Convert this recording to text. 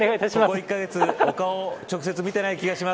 この１カ月、お顔を直接見ていない気がします。